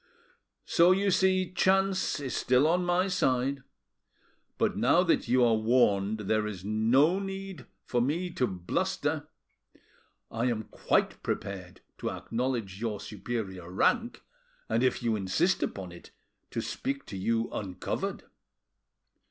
So you see chance is still on my side. But now that you are warned there is no need for me to bluster. I am quite prepared to acknowledge your superior rank, and if you insist upon it, to speak to you uncovered."